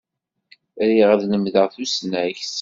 Riɣ ad lemdeɣ tusnakt.